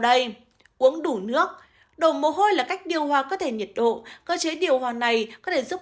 đây uống đủ nước đổ mồ hôi là cách điều hòa cơ thể nhiệt độ cơ chế điều hòa này có thể giúp